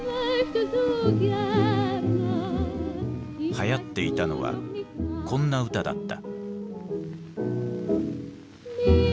はやっていたのはこんな歌だった。